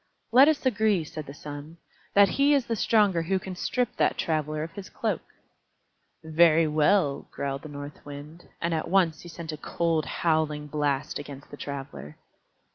"Let us agree," said the Sun, "that he is the stronger who can strip that Traveler of his cloak." "Very well," growled the North Wind, and at once sent a cold, howling blast against the Traveler.